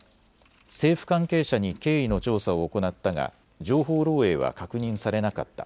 政府関係者に経緯の調査を行ったが情報漏えいは確認されなかった。